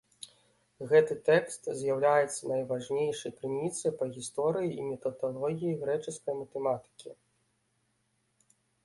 Гэты тэкст з'яўляецца найважнейшай крыніцай па гісторыі і метадалогіі грэчаскай матэматыкі.